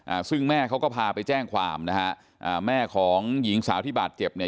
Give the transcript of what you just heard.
อ่าซึ่งแม่เขาก็พาไปแจ้งความนะฮะอ่าแม่ของหญิงสาวที่บาดเจ็บเนี่ย